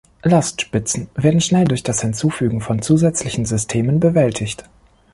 Lastspitzen werden schnell durch das Hinzufügen von zusätzlichen Systemen bewältigt.